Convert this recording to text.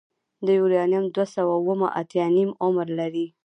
د یورانیم دوه سوه اوومه اتیا نیم عمر لري.